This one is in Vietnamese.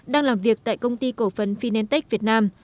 đang làm việc tại công ty cổ phấn finentech việt nam